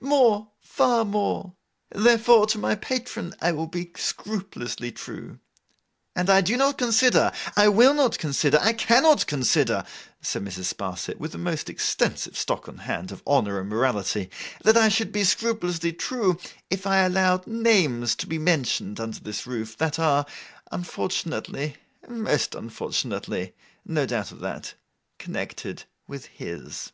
More, far more. Therefore, to my patron I will be scrupulously true. And I do not consider, I will not consider, I cannot consider,' said Mrs. Sparsit, with a most extensive stock on hand of honour and morality, 'that I should be scrupulously true, if I allowed names to be mentioned under this roof, that are unfortunately—most unfortunately—no doubt of that—connected with his.